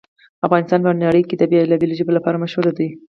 افغانستان په نړۍ کې د بېلابېلو ژبو لپاره مشهور دی.